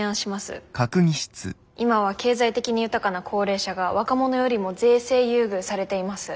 今は経済的に豊かな高齢者が若者よりも税制優遇されています。